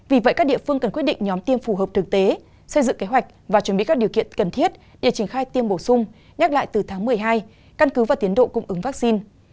vì vậy các địa phương cần quyết định nhóm tiêm phù hợp thực tế xây dựng kế hoạch và chuẩn bị các điều kiện cần thiết để triển khai tiêm bổ sung nhắc lại từ tháng một mươi hai căn cứ vào tiến độ cung ứng vaccine